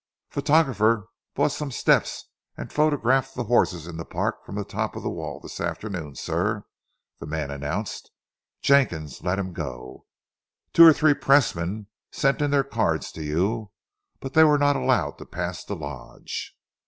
"Photographer brought some steps and photographed the horses in the park from the top of the wall this afternoon, sir," the man announced. "Jenkins let him go. Two or three pressmen sent in their cards to you, but they were not allowed to pass the lodge."